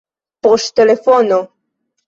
poŝtelefono